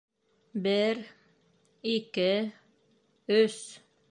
Бер... ике... өс...